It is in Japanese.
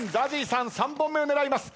ＺＡＺＹさん３本目を狙います。